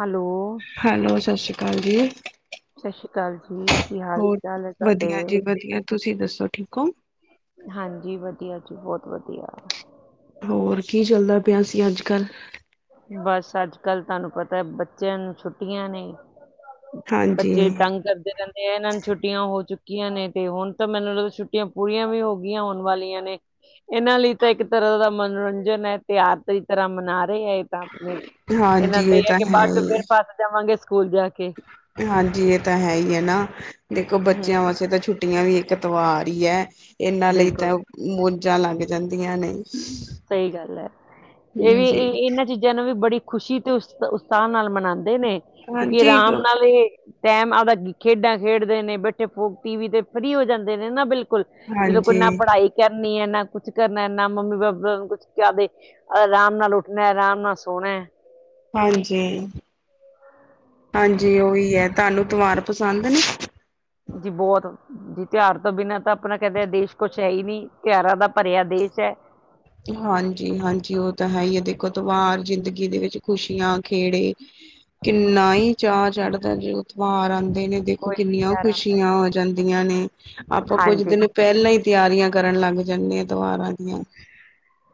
Hello hello ਸ਼ ਸ਼੍ਰੀ ਕਾਲ ਜੀ। ਸਤਿ ਸ਼੍ਰੀ ਅਕਾਲ ਜੀ। ਕੀ ਹਾਲ ਹੋਰ ਚਾਲ ਹੈ ਵਧੀਆ ਤੁਹਾਡੇ? ਜੀ ਵਧੀਆ, ਤੁਸੀਂ ਦੱਸੋ ਠੀਕ ਓਂ? ਹਾਂਜੀ ਵਧੀਆ ਜੀ, ਬੋਤ ਵਧੀਆ। ਹੋਰ ਕੀ ਚੱਲਦਾ ਪਿਆ ਸੀ ਅੱਜ-ਕਲ। ਬਸ ਅੱਜ-ਕਲ ਤੁਆਨੂੰ ਪਤਾ ਬੱਚਿਆਂ ਨੂੰ ਛੁੱਟੀਆਂ ਨੇ ਹਾਂਜੀ ਬੱਚੇ ਤੰਗ ਕਰਦੇ ਰੈਂਦ ਤੇ ਇਨ੍ਹਾਂ ਨੂੰ ਛੁੱਟੀਆਂ ਹੋ ਚੁੱਕੀਆਂ ਨੇ ਤੇ ਹੁਣ ਤਾਂ ਮੈਨੂੰ ਲੱਗਦਾ ਛੁੱਟੀਆਂ ਪੂਰੀਆਂ ਵੀ ਹੋ ਗਈਆਂ ਹੋਣ ਵਾਲੀਆਂ ਨੇ। ਇਨ੍ਹਾਂ ਲਈ ਤਾਂ ਇੱਕ ਤਰ੍ਹਾਂ ਦਾ ਮਨੋਰੰਜਨ ਐ, ਤਿਉਹਾਰ ਤਹੀ ਤਰ੍ਹਾਂ ਮਨਾ ਰਏ ਏ। ਤਾਂ [unintelligible] ਹਾਂਜੀ ਇਨ੍ਹਾਂ ਦਾ ਏ ਇਹ ਆ ਤਾਂ ਕਿ ਹੈ ਬਾਅਦ ਚ ਹੀ ਫਿਰ ਪਾਸ ਜਾਵਾਂਗੇ ਸਕੂਲ ਜਾ ਕੇ। ਹਾਂਜੀ ਏ ਤਾਂ ਹੈ ਈ ਐ ਨਾ ਦੇਖੋ, ਬੱਚਿਆਂ ਹਮ ਵਾਸਤੇ ਤਾਂ ਛੁੱਟ ਛੁੱਟੀਆਂ ਵੀ ਇੱਕ ਤਿਵਾਰ ਈ ਐ, ਇਨ੍ਹਾਂ ਲਈ ਤਾਂ ਬਿਲਕੁਲ ਮੋਜਾਂ ਲੱਗ ਜਾਂਦੀਆਂ ਨੇ। ਸਹੀ ਗੱਲ ਐ, ਏ ਵੀ ਜੀ ਇ ਇਨ੍ਹਾਂ ਚੀਜ ਜਾ਼ ਨੂੰ ਵੀ ਬੜੀ ਖੁਸ਼ੀ ਤੇ ਉਸ ਉਤਸਾਅ ਨਾਲ ਮਨਾਂਦੇ ਨੇ ਕਿਉਂਕਿ ਹਾਂਜੀ ਰਾਮ ਨਾਲ ਏ ਟੈਮ ਆ ਦੇ ਖੇਡਾਂ ਖੇਡਦੇ ਨੇ, ਬੈਠੇ ਫੋ ਟੀ ਵੀ ਤੇ ਫਰੀ ਹੋ ਜਾਂਦੇ ਨੇ ਨਾ ਬਿਲ ਕੁਲ, ਜਦੋਂ ਕੋਈ ਨਾ ਹਾਂਜੀ ਪੜ੍ਹਾਈ ਕਰਨੀ ਐ ਨਾ, ਕੁਛ ਕਰਨਾ ਨਾ ਮੰਮੀ ਬਪ ਬ ਕੁਛ ਕੇ ਦੇ ਰਾਮ ਨਾਲ ਉੱਠਣਾ, ਰਾਮ ਨਾਲ ਸੋਣਾ। ਹਾਂਜੀ ਹਾਂਜੀ ਉਵੀ ਐ, ਤਾਨੂੰ ਤਵਾਰ ਪਸੰਦ ਨੇ? ਜੀ ਬੋਤ। ਜੀ ਤਿਉਆਰ ਤੋਂ ਬਿਨਾਂ ਤਾਂ ਆਪਣਾ ਕੈਂਦੇ ਆ ਦੇਸ਼ ਕੁਛ ਹੈ ਈ ਨੀ, ਤਿਉਆਰਾਂ ਦਾ ਭਰਿਆ ਦੇਸ਼ ਐ। ਹਾਂਜੀ ਹਾਂਜੀ ਉਹ ਤਾਂ ਹੈ ਈ ਐ, ਦੇਖੋ ਤੋਆਰ ਜ਼ਿੰਦਗੀ ਦੇ ਵਿੱਚ ਖੁਸ਼ੀਆਂ ਖੇੜੇ ਕਿੰਨਾ ਈ ਚਾਅ ਚੜਦਾ ਜਿਦੋਂ ਤੋਆਰ ਆਂਦੇ ਨੇ। ਦੇਖੋਂ ਕੋਈ ਵੀ ਕਿੰਨੀਆਂ ਤਿਉਹਾਰ ਆਉਂਦਾ ਖੁਸ਼ੀਆਂ ਆ ਜਾਂਦੀਆਂ ਨੇ, ਆਪਾਂ ਕੁੱਝ ਹਾਂਜੀ ਦਿਨ ਪੈਲਾਂ ਈ ਤਿਆਰੀਆਂ ਕਰਨ ਲੱਗ ਜਾਂਨੇ ਆ ਤੋਆਰਾਂ ਦੀਆਂ।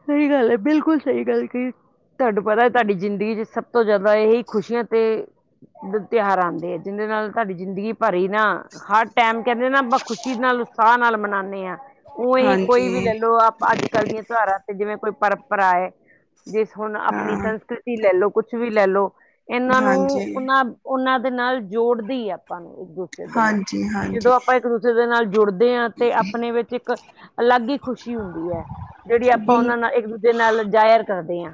ਸਹੀ ਗੱਲ ਐ, ਬਿਲਕੁਲ ਸਈ ਗੱਲ ਕਈ। ਤਾਨੂੰ ਪਤਾ ਐ ਤਾਡੀ ਜ਼ਿੰਦਗੀ ਚ ਸਭ ਤੋਂ ਜ਼ਿਆਦਾ ਇਹੀ ਖੁਸ਼ੀਆਂ ਤੇ ਤਿਉਹਾਰਾਂ ਆਂਦੇ ਆ, ਜਿਦੇਂ ਨਾਲ ਤਾਡੀ ਜ਼ਿੰਦਗੀ ਭਰੀ ਨਾ ਹਰ ਟੈਮ ਕੈਂਦੇ ਨਾ ਆਪਾਂ ਖੁਸ਼ੀ ਨਾਲ, ਉਤਸਾਅ ਨਾਲ ਮਨਾਂਨੇ ਆ। ਉਏਂ ਹੀ ਕੋਈ ਹਾਂਜੀ ਵੀ ਲੈ ਲਓ, ਆਪ ਅੱਜ-ਕਲ ਦੀਆਂ ਤਿਉਆਰਾਂ ਤੇ ਜਿਵੇਂ ਕੋਈ ਪਰੰਪਰਾ ਐ ਬਿਸ ਹੁਣ ਆਪਣੀ ਹਾਂ ਸੰਸਕ੍ਰਿਤੀ ਲੈ ਲੋ, ਕੁਛ ਵੀ ਲੈ ਲੋ, ਇਨ੍ਹਾਂ ਨੂੰ ਹਾਂਜੀ ਉਨਾਂ ਉਨ੍ਹਾਂ ਦੇ ਨਾਲ ਜੋੜਦੀ ਆ ਆਪਾਂ ਨੂੰ ਇੱਕ ਦੂਸਰੇ ਦੇ ਨਾਲ, ਹਾਂਜੀ ਹਾਂਜੀ ਜਿਦੋਂ ਆਪਾਂ ਇੱਕ ਦੂ ਜਿਦੇ ਨਾਲ ਜੁੜਦੇ ਆਂ ਤੇ ਆਪਣੇ ਵਿੱਚ ਇੱਕ ਅਲੱਗ ਈ ਖੁਸ਼ੀ ਹੁੰਦੀ ਐ, ਜਿਹੜੀ ਆ ਬਿਲ ਅਪਣਾ ਇੱਕ ਦੂਜੇ ਨਾਲ ਜ਼ਾਇਰ ਕਰਦੇ ਆਂ।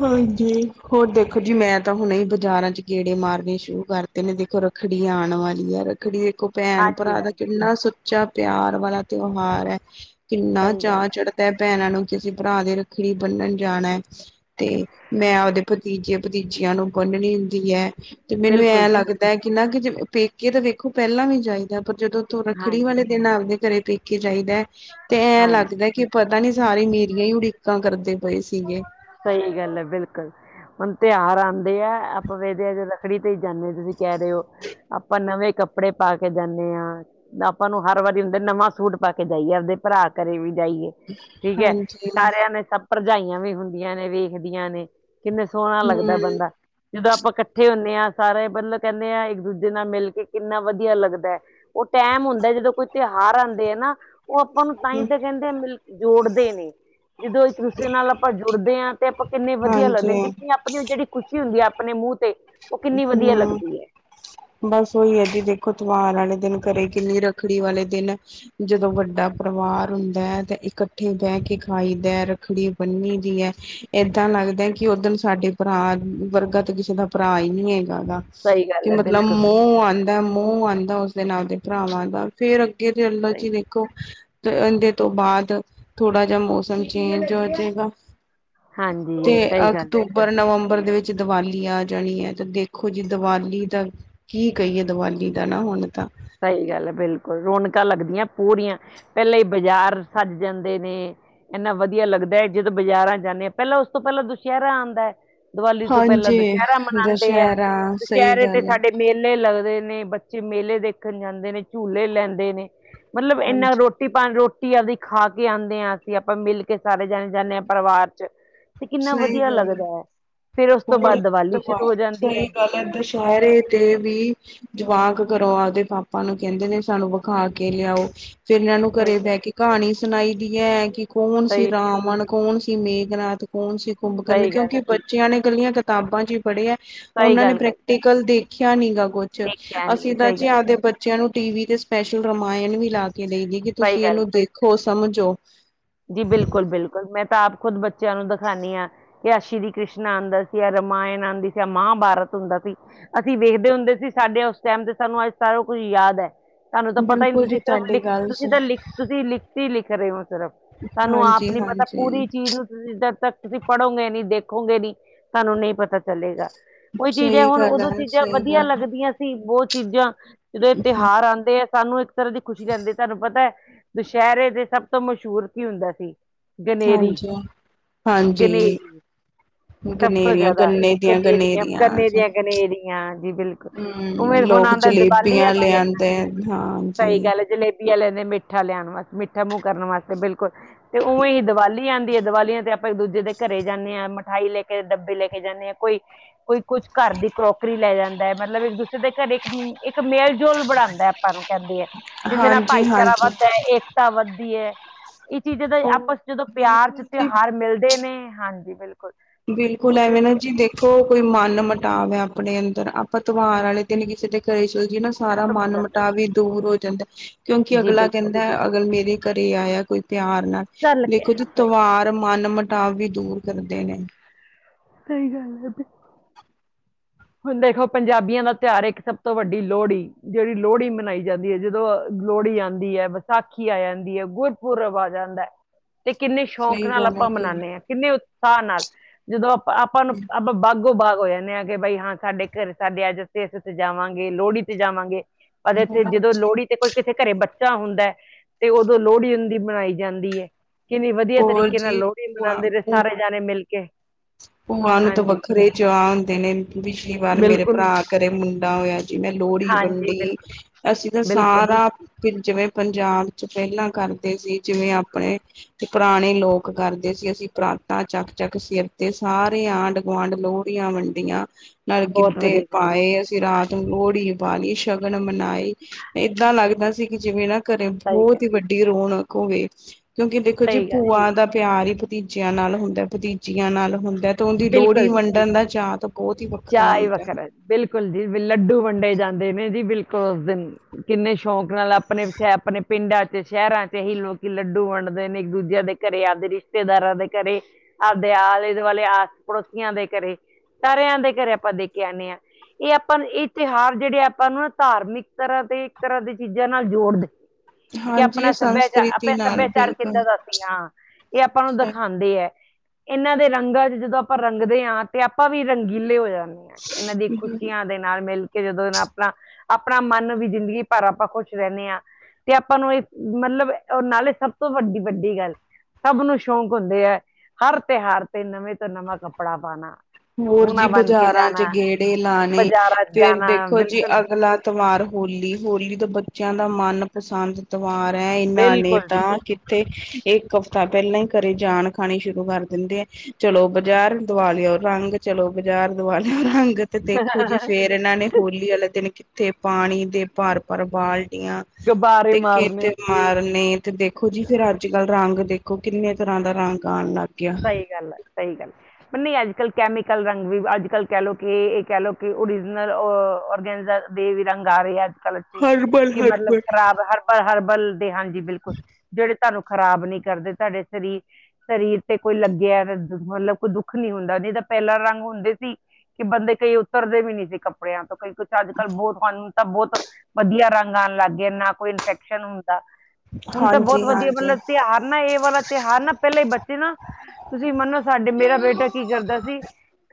ਹਾਂਜੀ, ਹੋਰ ਦੇਖੋ ਜੀ ਮੈਂ ਤਾਂ ਹੁਣੇ ਈ ਬਾਜ਼ਾਰਾਂ ਚ ਗੇੜੇ ਮਾਰਨੇ ਸ਼ੁਰੂ ਕਰ ਤੇ ਨੇ ਦੇਖੋ, ਰੱਖੜੀ ਆਣ ਵਾਲੀ ਆ, ਰੱਖੜੀ ਦੇਖੋ ਹਾਂਜੀ ਭੈਣ-ਭਰਾ ਦਾ ਹਾਂਜੀ ਕਿੰਨਾ ਸੁੱਚਾ ਪਿਆਰ ਵਾਲਾ ਤਿਉਹਾਰ ਐ, ਕਿੰਨਾ ਸਹੀ ਗੱਲ ਚਾਅ ਹੈ ਚੜ੍ਹ ਤੇ ਭੈਣਾਂ ਨੂੰ ਕਿਸੇ ਭਰਾ ਦੇ ਰੱਖੜੀ ਬੰਨਣ ਜਾਣਾ ਐ। ਤੇ ਮੈਂ ਆਪਦੇ ਭਤੀਜੇ-ਭਤੀਜਿਆਂ ਨੂੰ ਬੰਨਣੀ ਹੁੰਦੀ ਐ, ਤੇ ਮੈਨੂੰ ਬਿਲਕੁਲ ਐਂ ਜੀ ਬਿਲਕੁਲ ਲੱਗਦਾ ਕਿੰਨਾ ਕ ਜਿਵੇਂ ਪੇਕੇ ਤਾਂ ਵੇਖੋ ਪੈਲਾਂ ਵੀ ਜਾਈਦਾ, ਪਰ ਜਦੋਂ ਤੋਂ ਰੱਖੜੀ ਹਾਂਜੀ ਵਾਲੇ ਦਿਨ ਆਪਦੇ ਘਰੇ ਪੇਕ ਕੇ ਜਾਈਦਾ ਤੇ ਐਂ ਹਾਂਜੀ ਲੱਗਦਾ ਕਿ ਪਤਾ ਨੀਂ ਸਾਰੇ ਮੇਰੀਆਂ ਈ ਉਡੀਕਾਂ ਕਰਦੇ ਪਏ ਸੀਗੇ। ਸਈ ਗੱਲ ਐ, ਬਿਲਕੁਲ। ਹੁਣ ਤਿਉਆਰ ਆਂਦੇ ਆ, ਆਪਾਂ ਵੇਖਦੇ ਆ ਜੇ ਰੱਖੜੀ ਤੇ ਈ ਜਾਂਣੇ ਤੁਸੀਂ ਕੈਅ ਰੇ ਓ। ਆਪਾਂ ਨਵੇਂ ਕੱਪੜੇ ਪਾ ਕੇ ਜਾਂਨੇ ਆਂ। ਆਪਾਂ ਨੂੰ ਹਰ ਵਾਰੀ ਹੁੰਦਾ ਨਵਾਂ ਸੂਟ ਪਾ ਕੇ ਜਾਈਏ। ਆਪਦੇ ਭਰਾ ਘਰੇ ਵੀ ਜਾਈਏ। ਠੀਕ ਐ, ਹਾਂਜੀ ਸਾਰਿਆਂ ਨੇ ਸਭ ਭਰਜਾਈਆਂ ਵੀ ਹੁੰਦੀਆਂ ਨੇ, ਵੇਖਦੀਆਂ ਨੇ, ਕਿੰਨੇ ਸੋਹਣਾ ਲੱਗਦਾ ਬੰਦਾ। ਹੂੰ ਜਦੋਂ ਆਪਾਂ ਇਕੱਠੇ ਹੁੰਨੇ ਆ, ਸਾਰੇ ਮਤਲਬ ਕਹਿੰਨੇ ਆ, ਇੱਕ -ਦੂਜੇ ਨਾਲ ਮਿਲ ਕੇ ਕਿੰਨਾ ਵਧੀਆ ਲੱਗਦਾ। ਉਹ ਟੈਮ ਹੁੰਦਾ ਐ, ਜਦੋਂ ਕੋਈ ਤਿਉਹਾਰ ਆਦੇ ਆ ਨਾ, ਉਹ ਆਪਾਂ ਨੂੰ ਤਾਂ ਈ ਤਾਂ ਕਹਿੰਦੇ ਮਿਲ ਜੋੜਦੇ ਨੇ, ਜਦੋਂ ਇੱਕ-ਦੂਸਰੇ ਨਾਲ ਆਪਾਂ ਜੁੜਦੇ ਆ। ਤੇ ਆਪਾਂ ਕਿੰਨੇ ਵਧੀਆ ਹਾਂਜੀ ਲੱਗਦੇ, ਕਿੰਨੀ ਆਪਣੀ ਜਿਹੜੀ ਖੁਸ਼ੀ ਹੁੰਦੀ ਐ, ਆਪਣੇ ਮੂੰਹ ਤੇ ਉਹ ਕਿੰਨੀ ਵਧੀਆ ਹੂੰ ਲੱਗਦੀ ਐ। ਬਸ ਉਹੀ ਐ ਜੀ, ਦੇਖੋਂ ਤਿੳਹਾਰ ਵਾਲੇ ਦਿਨ ਘਰੇ, ਕਿੰਨੀ ਰੱਖੜੀ ਵਾਲੇ ਦਿਨ ਜਦੋਂ ਵੱਡਾ ਪਰਿਵਾਰ ਹੁੰਦਾ ਐ ਤੇ ਇਕੱਠੇ ਬਹਿ ਕੇ ਖਾਈ ਦਾ, ਰੱਖੜੀ ਬੰਨੀ ਦੀ ਐ। ਏਦਾਂ ਲੱਗਦਾ ਕਿ ਓ ਦਿਨ ਸਾਡੇ ਭਰਾ ਵਰਗਾ ਤੇ ਕਿਸੇ ਦਾ ਭਰਾ ਈ ਨੀ ਹੈਗਾ ਗਾ। ਸਹੀ ਕਿ ਗੱਲ ਹੈ ਮਤਲਬ ਬਿਲਕੁਲ ਸਹੀ ਮੋਹ ਆਦਾ, ਮੋਹ ਆਦਾ ਉਸ ਦਿਨ ਆਪਦੇ ਭਰਾਵਾਂ ਦਾ, ਫੇਰ ਅੱਗੇ ਚਲੋਂ ਸਹੀ। ਜੀ ਵੇਖੋ ਤੋਂ ਆਦੇ ਬਾਅਦ ਥੋੜ੍ਹਾ ਜਾ ਮੌਸਮ ਚੇਂਜ ਹੋਜੇਗਾ। ਤੇ ਹਾਂਜੀ ਸਹੀ ਗੱਲ ਹੈ ਅਕਤੂਬਰ ਨਵੰਬਰ ਦੇ ਵਿੱਚ ਦੀਵਾਲੀ ਆ ਜਾਣੀ ਐ, ਤੇ ਦੇਖੋ ਜੀ ਦੀਵਾਲੀ ਦਾ ਕੀ ਕਹੀਏ ਦੀਵਾਲੀ ਦਾ ਨਾ ਹੁਣ ਤਾਂ। ਸਹੀ ਗੱਲ ਐ, ਬਿਲਕੁਲ ਰੌਣਕਾਂ ਲੱਗਦੀਆਂ ਪੂਰੀਆਂ, ਪਹਿਲੇ ਈ ਬਾਜ਼ਾਰ ਸੱਜ ਜਾਂਦੇ ਨੇ। ਇੰਨਾ ਵਧੀਆ ਲੱਗਦਾ ਐ, ਜਦੋਂ ਬਾਜ਼ਾਰਾਂ ਚ ਜਾਂਨੇ ਆ, ਪਹਿਲਾਂ ਉਸ ਤੋਂ ਪਹਿਲਾਂ ਦੁਸਹਿਰਾ ਆਦਾ ਐ। ਦੀਵਾਲੀ ਤੋਂ ਪਹਿਲਾਂ ਹਾਂਜੀ ਦੁਸਹਿਰਾ ਮਨਾਉਂਦੇ ਐ, ਦੁਸਹਿਰਾ ਸਹੀ ਦੁਸਹਿਰੇ ਤੇ ਗੱਲ ਹੈ ਸਾਡੇ ਮੇਲੇ ਲੱਗਦੇ ਨੇ, ਬੱਚੇ ਮੇਲੇ ਦੇਖਣ ਜਾਂਦੇ ਨੇ, ਝੂਲੇ ਲੈਂਦੇ ਨੇ ਮਤਲਬ ਇੰਨਾ ਹਾਂਜੀ ਰੋਟੀ ਪਾਣੀ, ਰੋਟੀ ਆਦੀ ਖਾ ਕੇ ਆਂਦੇ ਆ, ਅਸੀਂ ਆਪਾਂ ਮਿਲ ਕੇ ਸਾਰੇ ਜਾਣੇ ਜਾਂਨੇ ਆ ਪਰਿਵਾਰ ਚ ਤੇ ਕਿੰਨਾ ਸਹੀ ਵਧੀਆ ਗੱਲ ਹੈ ਲੱਗਦਾ ਐ, ਤੇ ਫੇਰ ਉਸ ਤੋਂ ਹੋਰ ਬਾਦ ਦੀਵਾਲੀ ਸ਼ੁਰੂ ਹੋ ਜਾਂਦੀ ਸਹੀ ਐ। ਗੱਲ ਦੁਸਹਿਰੇ ਤੇ ਵੀ ਜਵਾਕ ਘਰੋ ਆਪਦੇ ਪਾਪਾ ਨੂੰ ਕਹਿੰਦੇ ਨੇ ਸਾਨੂੰ ਵਿਖਾ ਕੇ ਲਿਆਓ। ਫਿਰ ਇਹਨਾਂ ਨੂੰ ਸਹੀ ਘਰੇ ਗੱਲ ਬਹਿ ਕੇ ਕਹਾਣੀ ਸੁਣਾਈ ਦੀ ਐ ਕਿ ਕੌਣ ਸੀ ਸਹੀ ਰਾਮਣ ਕੌਣ ਸੀ ਮੇਘਨਾਥ, ਕੌਣ ਸੀ ਕੁੰਭਕਰਣ, ਸਹੀ ਗੱਲ ਕਿਉਂਕਿ ਹੈ ਬੱਚਿਆਂ ਨੇ ਕੱਲੀਆ ਕਿਤਾਬਾਂ ਚ ਹੀ ਪੜ੍ਹਿਆ। ਸਹੀ ਉਹਨਾਂ ਨੇ ਗੱਲ ਕਹੀ ਪ੍ਰੈਕਟੀਕਲ ਦੇਖਿਆ ਨੀ ਗਾ ਕੁਛ, ਦੇਖਿਆ ਨਹੀਂ ਅਸੀਂ ਤਾਂ ਸਹੀ ਜੀ ਗੱਲ ਹੈ, ਆਪਦੇ ਬ ਬੱਚਿਆਂ ਨੂੰ ਟੀਵੀ ਤੇ ਸਪੈਸ਼ਲ ਰਾਮਾਇਣ ਵੀ ਲਾ ਕੇ ਦੇਈ ਦੀ ਕਿ ਸਹੀ ਤੁਸੀਂ ਗੱਲ ਇਹਨੂੰ ਦੇਖੋ ਸਮਝੋ। ਜੀ ਬਿਲਕੁਲ, ਬਿਲਕੁਲ ਮੈਂ ਤਾਂ ਆਪ ਖੁਦ ਬੱਚਿਆਂ ਨੂੰ ਦਿਖਾਨੀ ਆ। ਜਾਂ ਸ਼੍ਰੀ ਕ੍ਰਿਸ਼ਨਾ ਆਂਦਾ ਸੀ, ਜਾਂ ਰਾਮਾਇਣ ਆਂਦੀ ਸੀ, ਆ ਮਹਾਭਾਰਤ ਹੁੰਦਾ ਸੀ। ਅਸੀਂ ਵੇਖਦੇ ਹੁੰਦੇ ਸੀ, ਸਾਡੇ ਉਸ ਟਾਈਮ ਤੇ ਸਾਨੂੰ ਅੱਜ ਸਾਰਾ ਕੁਝ ਯਾਦ ਐ। ਤੁਹਾਨੂੰ ਤਾਂ ਪਤਾ ਈ ਨੀ, ਬਿਲਕੁਲ ਤੁਸੀਂ ਜੀ ਸਿਰਫ਼ ਤੁਹਾਡੀ ਲਿਖ, ਗੱਲ ਤੁਸੀਂ ਤਾਂ ਲਿਖ, ਤੁਸੀਂ ਲਿਖਤੀ ਲਿਖ ਰਹੇ ਔ ਸਿਰਫ। ਸਾਨੂ ਆਪ ਹਾਂਜੀ ਨੀ ਪਤਾ ਹਾਂਜੀ ਪੂਰੀ ਚੀਜ਼ ਨੂੰ ਜਦ ਤੱਕ ਤੁਸੀਂ ਪੜ੍ਹੋਗੇ ਨੀ, ਦੇਖੋਗੇ ਨੀ ਤੁਹਾਨੂੰ ਨਈ ਪਤਾ ਚਲੇਗਾ। ਉਹੀ ਚੀਜ਼ ਐ, ਸਹੀ ਹੁਣ ਗੱਲ ਉਦੋਂ ਹੈ, ਚੀਜ਼ਾਂ ਸਹੀ ਵਧੀਆ ਗੱਲ ਹੈ, ਲੱਗਦੀਆਂ ਬਹੁਤ ਚੀਜ਼ਾਂ, ਜਿਹੜੇ ਤਿਉਹਾਰ ਆਂਦੇ ਆ, ਸਾਨੂੰ ਇੱਕ ਇਸ ਤਰ੍ਹਾਂ ਦੀ ਖੁਸ਼ੀ ਰਹਦੀ ਤੁਹਾਨੂੰ ਪਤਾ ਐ, ਦੁਸਹਿਰੇ ਦੇ ਸਭ ਤੋਂ ਮਸ਼ਹੂਰ ਕੀ ਹੁੰਦਾ ਸੀ। ਗਨੇਰੀ, ਹਾਂਜੀ। ਹਾਂਜੀ, ਗਨੇਰੀ ਸਭ ਤੋਂ ਗਨੇਰੀਆਂ ਜਿਆਦਾ ਗੰਨੇ ਦੀਆਂ ਗਨੇਰੀਆਂ, ਗਨੇ ਹਮ, ਦੀਆਂ ਗਨੇਰੀਆਂ, ਜੀ ਬਿਲਕੁਲ ਉਵੇ ਹੁਣ ਲੋਕ ਆਂਦਾ ਦੀਵਾਲੀ ਜਲੇਬੀਆਂ ਆਂਦੀ ਐ, ਲਿਆਂਦੇ ਹ ਸਹੀ ਹਾਂਜੀ। ਗੱਲ ਜਲੇਬੀ ਲੈਂਦੇ ਮਿੱਠਾ ਲਿਆਣ ਵਾਸ, ਮਿੱਠਾ ਮੂੰਹ ਕਰਨ ਵਾਸਤੇ ਬਿਲਕੁਲ ਤੇ ਉਵੇਂ ਈ ਦੀਵਾਲੀ ਆਂਦੀ ਐ, ਦੀਵਾਲੀਆਂ ਤੇ ਆਪ ਆਪਾਂ ਇੱਕ ਦੂਜੇ ਦੇ ਘਰੇ ਜਾਂਨੇ ਆ, ਮਿਠਾਈ ਲੈ ਕੇ ਡੱਬੇ ਲੈ ਕੇ ਜਾਂਨੇ ਆ, ਕੋਈ, ਕੋਈ ਕੁਝ ਘਰ ਦੀ ਕਰੋਕਰੀ ਲੈ ਜਾਂਦਾ ਐ। ਮਤਲਬ ਇੱਕ ਦੂਸਰੇ ਦੇ ਘਰੇ ਇੱਕ, ਇੱਕ ਮੇਲ- ਜੋਲ ਬਣਾਂਦਾ ਆਪਾਂ ਨੂੰ ਕਹਿੰਦੇ ਆ। ਜਿਹਦੇ ਨਾਲ ਹਾਂਜੀ, ਭਾਈਚਾਰਾ ਹਾਂਜੀ ਵੱਧਦਾ ਐ, ਏਕਤਾ ਵੱਧਦੀ ਐ। ਇਹ ਚੀਜ਼ਾਂ ਦਾ ਹੋਰ ਆਪਸ ਜਦੋਂ ਪਿਆਰ ਚ ਬਿਲਕੁਲ ਜੀ। ਤਿਉਹਾਰ ਮਿਲਦੇ ਨੇ ਹਾਂਜੀ, ਬਿਲਕੁਲ ਬਿਲਕੁਲ ਤੇ ਐਵੇ ਨ ਜੀ ਦੇਖ ਦੇਖੋ, ਕੋਈ ਮਨ ਮੁਟਾਵ ਹੈ ਆਪਣੇ ਅੰਦਰ, ਆਪਾਂ ਤਿਉਹਾਰ ਵਾਲੇ ਦਿਨ, ਕਿਸੇ ਦੇ ਕਰੇ ਚਲ ਜੀਏ ਨਾ ਸਾਰਾ ਖਤਮ ਹੋ ਮਨ ਜਾਂਦਾ ਮਟਾਵ ਵੀ ਦੂਰ ਹੋ ਜਾਂਦਾ, ਕਿਉਂਕਿ ਹੈ। ਜੀ ਅਗਲਾ ਬਿਲਕੁਲ ਕਹਿੰਦਾ, ਅਗਲ ਮੇਰੇ ਘਰੇ ਆਇਆ ਕੋਈ ਪਿਆਰ ਨਾਲ, ਚੱਲ ਕੇ ਦੇਖੋ ਜੀ, ਸਹੀ ਤਵਾਰ ਮਨ ਮਟਾਵ ਵੀ ਦੂਰ ਕਰਦੇ ਨੇ ਸਹੀ ਗੱਲ ਹੈ ਹੁਣ ਦੇਖੋ, ਪੰਜਾਬੀਆਂ ਦਾ ਤਿਉਹਾਰ ਇੱਕ ਸਭ ਤੋਂ ਵੱਡੀ ਲੋਹੜੀ। ਜਿਹੜੀ ਲੋਹੜੀ ਮਨਾਈ ਜਾਂਦੀ ਹੈ ਜਦੋਂ ਲੋਹੜੀ ਆਉਂਦੀ ਹੈ, ਵਿਸਾਖੀ ਆ ਜਾਂਦੀ ਹੈ, ਗੁਰਪੁਰਬ ਆ ਜਾਂਦਾ ਤੇ ਕਿੰਨੇ, ਸ਼ੌਕ ਸਹੀ ਨਾਲ ਗੱਲ ਹੈ ਆਪਾਂ ਕਿ ਮਨਾਦੇ ਹਾਂ ਕਿੰਨੇ ਉਤਸ਼ਾਹ ਨਾਲ, ਜਦੋਂ ਅਪਾ ਆਪਾਂ ਨੂੰ, ਆਪਾਂ ਬਾਗੋ- ਬਾਗ ਹੋ ਜਾਂਦੇ ਹਾਂ ਕਿ ਬਈ ਹਾਂ ਸਾਡੇ ਘਰ, ਸਾਡੇ ਅੱਜ ਅਸੀਂ ਇਹਦੇ ਤੇ ਜਾਵਾਂਗੇ, ਲੋਹੜੀ ਤੇ ਜਾਵਾਂਗੇ, ਪਰ ਇੱਥੇ ਜਦੋਂ ਲੋਹੜੀ ਤੇ ਕੋਈ ਕਿਸੇ ਘਰੇ ਬੱਚਾ ਹੁੰਦਾ, ਤੇ ਉਦੋਂ ਲੋਹੜੀ ਹੁੰਦੀ ਮਨਾਈ ਜਾਂਦੀ ਹੈ ਕਿੰਨੀ ਵਧੀਆ ਹੋਰ ਤਰੀਕੇ ਨਾਲ, ਜੀ ਲੋਹੜੀ ਭੂਆ ਮਨਾਉਂਦੇ ਨੇ ਭੂ ਸਾਰੇ ਜਾਣੇ ਮਿਲ ਕੇ ਭੂਆ ਨੂੰ ਤਾਂ, ਹਾਂਜੀ ਵੱਖਰੇ ਚਾਅ ਹੁੰਦੇ ਨੇ ਪਿਛਲੀ ਵਾਰ ਮੇਰੇ ਬਿਲਕੁਲ ਭਰਾ ਕਰੇ ਮੁੰਡਾ ਹੋਇਆ ਜੀ, ਮੈਂ ਲੋਹੜੀ ਹਾਂਜੀ ਵੰਡੀ ਬਿਲਕੁਲ ਅਸੀਂ ਤਾਂ ਬਿਲਕੁਲ ਸਾਰਾ ਫਿਰ, ਜਿਵੇਂ ਪੰਜਾਬ 'ਚ ਪਹਿਲਾਂ ਕਰਦੇ ਸੀ, ਜਿਵੇਂ ਆਪਣੇ ਤੇ ਪੁਰਾਣੇ ਲੋਕ ਕਰਦੇ ਸੀ, ਅਸੀਂ ਪਰਾਤਾਂ ਚੱਕ-ਚੱਕ ਸਿਰ ਤੇ ਸਾਰੇ ਆਂਢ ਗੁਆਂਢ, ਲੋਹੜੀਆਂ ਵੰਡੀਆਂ ਨਾਲੇ ਬਹੁਤ ਵਧੀਆ ਗਿੱਧੇ ਗੱਲ ਹੈ ਪਾਏ, ਅਸੀਂ ਰਾਤ ਨੂੰ ਜੀ, ਲੋਹੜੀ ਬਾਲੀ, ਸ਼ਗਨ ਮਨਾਈ, ਏਦਾਂ ਲੱਗਦਾ ਸੀ ਕਿ ਜਿਵੇਂ ਨਾ ਘਰੇ ਸਹੀ ਗੱਲ ਬਹੁਤ ਹੀ ਵੱ ਰੌਣਕ ਹੋਵੇ, ਕਿਉਂਕਿ ਦੇਖੋ ਜੀ ਸਹੀ ਗੱਲ ਭੂਆਂ ਦਾ ਪਿਆਰ ਹੀ, ਭਤੀਜਿਆਂ ਨਾਲ ਹੁੰਦਾ, ਭਤੀਜੀ ਨਾਲ ਹੁੰਦਾ ਹੈ, ਤੇ ਉਹਦੀ ਲੋਹੜੀ ਬਿਲਕੁਲ ਜੀ ਵੰਡਣ ਦਾ ਚਾਅ ਤਾਂ, ਬਹੁਤ ਹੀ ਵੱਖਰਾ ਹੁੰਦਾ ਹੈ। ਬਿਲਕੁੱਲ ਜੀ, ਲੱਡੂ ਵੰਡੇ ਜਾਂਦੇ ਨੇ ਜੀ ਬਿਲਕੁੱਲ, ਉਸ ਦਿਨ। ਕਿੰਨੇ ਸ਼ੌਕ ਨਾਲ ਆਪਣੇ ਸ਼ਹ, ਆਪਣੇ ਪਿੰਡਾਂ 'ਚ ਸ਼ਹਿਰਾਂ 'ਚ ਹੀ ਲੋਕੀ ਲੱਡੂ ਵੰਡਦੇ ਨੇ, ਇੱਕ ਦੂਜਿਆਂ ਦੇ ਘਰੇ, ਆਵਦੇ ਰਿਸ਼ਤੇਦਾਰਾਂ ਦੇ ਘਰੇ ਆਪਦੇ ਆਲੇ-ਦੁਆਲੇ, ਆਸ ਪੜੋਸੀਆਂ ਦੇ ਘਰੇ, ਸਾਰਿਆਂ ਦੇ ਘਰੇ ਆਪਾਂ ਦੇ ਕੇ ਆਉਂਦੇ ਹਾਂ। ਇਹ ਆਪਾਂ ਨੂੰ ਇਹ ਤਿਉਹਾਰ, ਜਿਹੜੇ ਆਪਾਂ ਨੂੰ ਨਾ ਧਾਰਮਿਕ ਤਰ੍ਹਾਂ ਤੇ, ਇੱਕ ਤਰ੍ਹਾਂ ਦੇ ਚੀਜ਼ਾਂ ਨਾਲ ਜੋੜਦੇ। ਕਿ ਹਾਂਜੀ ਇਹ ਆਪਣਾ ਸੱਭਿਆਚਾਰ, ਸੰਸਕ੍ਰਿਤੀ ਆਪਣੇ ਨਾਲ ਸੱਭਿਆਚਾਰ ਬਿਲਕੁਲ ਕਿੱਦਾਂ ਦਾ ਸੀ, ਹਾਂ। ਇਹ ਆਪਾਂ ਨੂੰ ਦਿਖਾਉਂਦੇ ਹੈ। ਇਹਨਾਂ ਦੇ ਰੰਗਾਂ 'ਚ ਜਦੋਂ ਆਪਾਂ ਰੰਗਦੇ ਹਾਂ, ਤੇ ਆਪਾਂ ਵੀ ਰੰਗੀਲੇ ਹੋ ਜਾਂਦੇ। ਇਹਨਾਂ ਦੀ, ਸਹੀ ਖੁਸ਼ੀਆਂ ਦੇ ਨਾਲ ਮਿਲ ਕਿ ਜਦੋਂ ਇਹ ਆਪਣਾ, ਆਪਣਾ ਮਨ ਵੀ ਜ਼ਿੰਦਗੀ ਭਰ ਆਪਾਂ, ਖੁਸ਼ ਰਹਿੰਦੇ ਹਾਂ। ਤੇ ਆਪਾਂ ਨੂੰ ਇਹ, ਮਤਲੱਬ ਨਾਲੇ ਸਭ ਤੋਂ ਵੱਡੀ, ਵੱਡੀ ਗੱਲ ਸਭ ਨੂੰ ਸ਼ੌਕ ਹੁੰਦੇ ਹੈ, ਹਰ ਤਿਉਹਾਰ ਤੇ ਨਵੇਂ ਤੋਂ ਨਵਾਂ ਕੱਪੜਾ ਪਾਉਣਾ। ਹੋਰ ਜੀ, ਬਾਜ਼ਾਰਾਂ 'ਚ ਗੇੜੇ ਲਾਣੇ, ਬਾਜ਼ਾਰਾਂ 'ਚ ਫਿਰ ਜਾਣਾ ਦੇਖੋ ਜੀ ਬਿਲਕੁਲ ਅਗਲਾ ਤਿਉਹਾਰ ਹੋਲੀ, ਹੋਲੀ ਤੋਂ ਬੱਚਿਆਂ ਦਾ ਮਨ ਪਸੰਦ ਤਿਉਹਾਰ ਹੈ, ਇਹਨਾਂ ਨੇ ਬਿਲਕੁਲ ਜੀ ਤਾਂ ਬਿਲਕੁਲ ਇੱਕ ਹਫਤਾ ਪਹਿਲਾਂ ਹੀ, ਘਰੇ ਜਾਨ ਖਾਣੀ ਸ਼ੁਰੂ ਕਰ ਦਿੰਦੇ ਆ ਚਲੋ ਬਾਜ਼ਾਰ, ਦਵਾ ਲਿਓ ਰੰਗ, ਚਲੋ ਬਾਜ਼ਾਰ, ਦਵਾ ਲਿਓ ਰੰਗ, ਤੇ ਦੇਖੋ ਜੀ ਫਿਰ ਫਿਰ ਇਹਨਾਂ ਨੇ ਹੋਲੀ ਵਾਲੇ ਦਿਨ, ਕਿੱਥੇ ਪਾਣੀ ਦੇ ਭਰ-ਭਰ ਬਾਲਟੀਆਂ ਗੁਬਾਰੇ ਟਿਕੀਟ ਮਾਰਨੇ [unintelligible] ਮਾਰਨੇ ਤੇ ਦੇਖੋ ਜੀ, ਫਿਰ ਅੱਜ ਕੱਲ ਰੰਗ ਦੇਖੋ, ਕਿੰਨੇ ਤਰ੍ਹਾਂ ਦਾ ਰੰਗ ਆਉਣ ਲੱਗ ਗਿਆ। ਸਹੀ ਗੱਲ ਹੈ, ਸਹੀ ਗੱਲ। ਪਰ ਨਹੀਂ, ਅੱਜ ਕੱਲ ਕੈਮੀਕਲ ਰੰਗ ਵੀ, ਅੱਜ ਕੱਲ ਕਹਿ ਲੋ ਕਿ, ਇਹ ਕਹਿ ਲੋ ਕਿ ਓਰੀਜਨਲ ਔਰਗੈਨ ਦੇ ਵੀ ਰੰਗ ਆ ਰਹੇ ਆ ਅੱਜ ਕੱਲ ਅੇਥੇ, ਹਰਬਲ ਕਿ ਮਤਲੱਬ ਹਰਬਲ ਖਰਾਬ ਹਰ ਪਰ ਹਰਬਲ ਦੇ ਹਾਂਜੀ ਬਿਲਕੁੱਲ, ਜਿਹੜੇ ਤੁਹਾਨੂੰ ਖਰਾਬ ਨਹੀਂ ਕਰਦੇ, ਤੁਹਾਡੇ ਸਰੀਰ-ਸਰੀਰ ਤੇ ਕੋਈ ਲੱਗਿਆ ਮਤਲੱਬ ਕੋਈ ਦੁੱਖ ਨੀ ਹੁੰਦਾ ਨਹੀਂ ਤਾਂ ਪਹਿਲਾਂ ਰੰਗ ਹੁੰਦੇ ਸੀ। ਕਿ ਬੰਦੇ ਕਈ ਉਤਰਦੇ ਵੀ ਨੀ ਸੀ ਕੱਪੜਿਆਂ ਤੋਂ ਕਈ ਕੁੱਛ ਅੱਜ ਕੱਲ ਬੋਤ ਸਾਨੂੰ ਤਾਂ ਬਹੁਤ ਵਧੀਆ ਰੰਗ ਆਣ ਲੱਗ ਗਏ ਨਾ ਕੋਈ ਇਨਫੈਕਸ਼ਨ ਹੁੰਦਾ। ਹੁਣ ਤਾਂ ਬੋਤ ਹਾਂਜੀ ਵਧੀਆ ਹਾਂਜੀ ਮਤਲਬ ਤਿਹਾਰ ਨਾ ਇਹ ਵਾਲਾ ਤਿਹਾਰ ਨਾ ਪਹਿਲਾਂ ਈ ਬੱਚੇ ਨਾ। ਤੁਸੀਂ ਮੰਨੋਂ ਸਾਡੇ ਮੇਰਾ ਬੇਟਾ ਕੀ ਕਰਦਾ ਸੀ।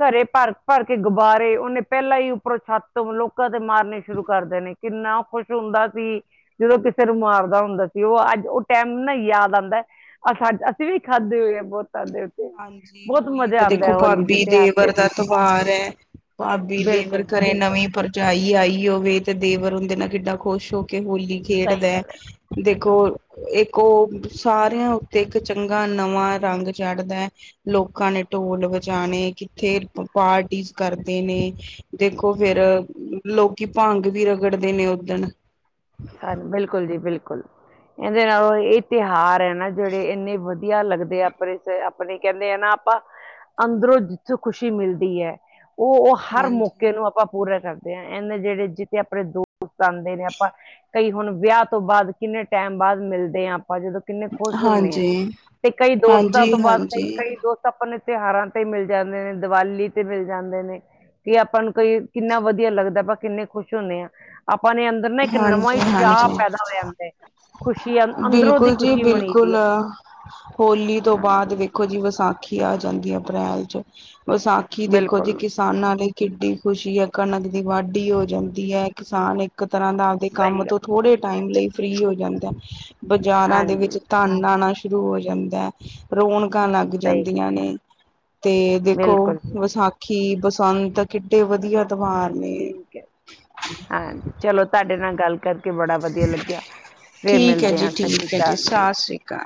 ਘਰੇ ਭਰ ਭਰ ਕੇ ਗੁਬਾਰੇ ਉਹਨੇ ਪਹਿਲਾਂ ਈ ਉੱਪਰੋਂ ਛੱਤ ਲੋਕਾਂ ਤੇ ਮਾਰਨੇ ਸ਼ੁਰੂ ਕਰਦੇ ਨੇ ਕਿੰਨਾ ਖੁਸ਼ ਹੁੰਦਾ ਸੀ। ਜਦੋਂ ਕਿਸੇ ਨੂੰ ਮਾਰਦਾ ਹੁੰਦਾ ਸੀ ਉਹ ਅੱਜ ਉਹ ਟੈਮ ਨਾ ਯਾਦ ਆਦਾ। ਆ ਸਾਡਾ ਅਸੀਂ ਵੀ ਖਾਧੇ ਹੋਏ ਐ ਬੋਤ ਖਾਦੇ ਹਾਂਜੀ, ਹੋਲੀ ਦਾ ਦੇਖੋ ਭਾਬੀ ਤਿਉਹਾਰ ਤੇ ਦੇਵਰ ਵੀ। ਦਾ ਤਿਉਹਾਰ ਐ, ਭਾਬੀ ਦੇਵਰ ਬਿਲਕੁਲ ਘਰੇ ਬਿਲਕੁਲ ਨਵੀਂ ਪ੍ਰ ਭਰਜਾਈ ਆਈ ਹੋਵੇ ਤੇ ਦੇਵਰ ਉਹਦੇ ਨਾਲ ਕਿਡਾ ਖੁਸ਼ ਹੋ ਕੇ ਹੋਲੀ ਸਹੀ ਖੇਡਦਾ। ਗੱਲ ਹੈ ਦੇਖੋ ਇੱਕ ਉਹ ਸਾਰਿਆਂ ਉੱਤੇ ਇੱਕ ਚੰਗਾ ਨਵਾਂ ਰੰਗ ਚੜਦਾ। ਲੋਕਾਂ ਨੇ ਢੋਲ ਵਜਾਣੇ ਕਿੱਥੇ ਪਾਰਟੀਜ਼ ਕਰਦੇ ਨੇ। ਦੇਖੋ ਫਿਰ ਸਹੀ ਲੋਕੀ ਭੰਗ ਵੀ ਰਗੜਦੇ ਨੇ ਓਦਣ ਹਾਜੀ ਬਿਲਕੁੱਲ ਜੀ ਬਿਲਕੁੱਲ, ਇਹਦੇ ਨਾਲੋਂ ਇਹ ਤਿਹਾਰ ਐ ਨਾ ਜਿਹੜੇ ਇੰਨੇ ਵਧੀਆ ਲੱਗਦੇ ਆਪਣੇ ਆਪਣੇ ਕਹਿੰਦੇ ਆ ਨਾ ਆਪਾਂ ਅੰਦਰੋਂ ਜਿੱਥੋਂ ਖੁਸ਼ੀ ਮਿਲਦੀ ਐ। ਉਹ ਉਹ ਹਰ ਹਾਂਜੀ ਮੌਕੇ ਨੂੰ ਆਪਾਂ ਪੂਰਾ ਕਰਦੇ ਆ ਇਹਨੇ ਜਿਹੜੇ ਜਿੱਥੇ ਆਪਣੇ ਦੋਸਤ ਆਦੇ ਨੇ। ਕਈ ਹੁਣ ਵਿਆਹ ਤੋਂ ਬਾਦ ਕਿੰਨੇ ਟੈਮ ਬਾਅਦ ਮਿਲਦੇ ਆ ਆਪਾਂ ਜਦੋਂ ਕਿੰਨੇ ਖੁਸ਼ ਹੁੰਨੇ ਆਂ ਹਾਂਜੀ ਤੇ ਕਈ ਦੋਸਤਾਂ ਹਾਂਜੀ ਤੋਂ ਬਾਅਦ ਕਈ ਹਾਂਜੀ ਕਈ ਦੋਸਤ ਆਪਣੇ ਤਿਹਾਰਾਂ ਤੇ ਮਿਲ ਜਾਂਦੇ ਨੇ ਦੀਵਾਲੀ ਤੇ ਮਿਲ ਜਾਂਦੇ ਨੇ। ਕਿ ਆਪਾਂ ਨੂੰ ਕਈ ਕਿੰਨਾ ਵਧੀਆ ਲੱਗਦਾ ਆਪਾਂ ਕਿੰਨੇ ਖੁਸ਼ ਹੁੰਨੇ ਆ ਆਪਾਂ ਨੇ ਅੰਦਰ ਇੱਕ ਨਵਾਂ ਈ ਚਾਅ ਪੈਦਾ ਹੋ ਜਾਂਦਾ। ਖੁਸ਼ੀ ਅੰ- ਅੰਦਰੋਂ ਦੀ ਬਿਲਕੁੱਲ ਜੀ ਖੁਸ਼ੀ ਮਣੀ ਦੀ ਬਿਲਕੁੱਲ, ਹੈ ਹੋਲੀ ਤੋਂ ਬਾਅਦ ਦੇਖੋ ਜੀ ਵਿਸਾਖੀ ਆ ਜਾਂਦੀ ਐ ਅਪ੍ਰੈਲ ਚ ਵਿਸਾਖੀ ਦੇਖੋ ਜੀ ਕਿਸ ਬਿਲਕੁਲ ਕਿਸਾਨਾਂ ਲਈ ਕਿੱਡੀ ਖੁਸ਼ੀ ਐ ਕਣਕ ਦੀ ਵਾਢੀ ਹੋ ਜਾਂਦੀ ਐ ਕਿਸਾਨ ਇੱਕ ਤਰ੍ਹਾਂ ਦਾ ਆਪਦੇ ਕੰਮ ਸਹੀ ਤੋਂ ਗੱਲ ਥੋੜੇ ਟੈਮ ਲਈ ਫ੍ਰੀ ਹੋ ਜਾਂਦਾ ਬਜ਼ਾਰਾਂ ਦੇ ਹਾਂਜੀ ਵਿੱਚ ਧਨ ਆਣਾ ਸ਼ੁਰੂ ਹੋ ਜਾਂਦਾ ਰੌਣਕਾਂ ਲੱਗ ਸਹੀ ਜਾਂਦੀਆਂ ਨੇ। ਤੇ ਦੇਖੋ ਬਿਲਕੁਲ ਜੀ ਬਿਲਕੁਲ। ਵਿਸਾਖੀ ਬਸੰਤ ਕਿੱਡੇ ਵਧੀਆ ਚਲੋ ਤਿਉਹਾਰ ਨੇ। ਠੀਕ ਹੈ ਹਾਂਜੀ ਚਲੋ ਤੁਹਾਡੇ ਨਾਲ ਗੱਲ ਕਰ ਕੇ ਬੜਾ ਵਧੀਆ ਲੱਗਿਆ, ਫੇਰ ਮਿਲਦੇ ਆ ਸਤਿ ਸ੍ਰੀ ਅਕਾਲ ਜੀ। ਕਾ